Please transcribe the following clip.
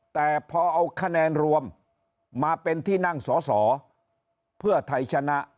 แต่พอเอาคะแนนรวมมาเป็นที่นั่งสอสอเพื่อไทยชนะ